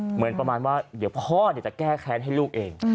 เหมือนประมาณว่าเดี๋ยวพ่อจะแก้แค้นให้ลูกเอง